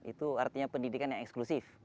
itu artinya pendidikan yang eksklusif